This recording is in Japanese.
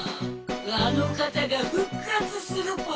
あの方が復活するぽよ。